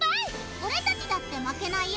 俺たちだって負けないよ！